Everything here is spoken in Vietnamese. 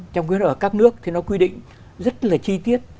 trong các nước thì nó quy định rất là chi tiết